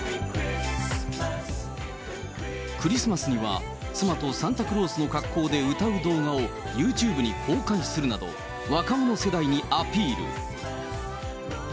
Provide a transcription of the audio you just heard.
クリスマスには、妻とサンタクロースの格好で歌う動画をユーチューブに公開するなど、若者世代にアピール。